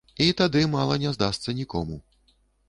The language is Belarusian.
І тады мала не здасца нікому.